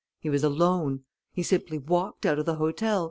He was alone. He simply walked out of the hotel.